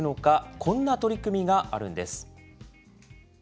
こんな取り組みがあるんです。